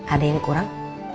ada yang kurang